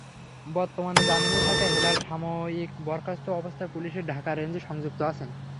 বর্তমানে জামিনে থাকা হেলাল সাময়িক বরখাস্ত অবস্থায় পুলিশের ঢাকা রেঞ্জে সংযুক্ত আছেন।